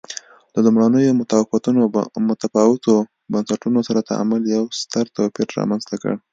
له لومړنیو متفاوتو بنسټونو سره تعامل یو ستر توپیر رامنځته کړ.